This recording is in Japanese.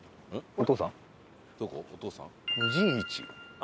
お父さん？